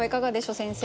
先生。